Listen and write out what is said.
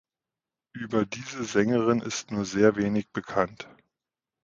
Über diese Sängerin ist nur sehr wenig bekannt.